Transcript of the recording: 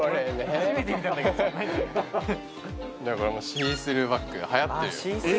シースルーバッグが流行ってるよ